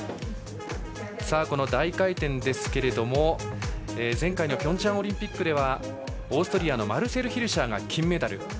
この大回転ですが、前回のピョンチャンオリンピックではオーストリアのマルセル・ヒルシャーが金メダル。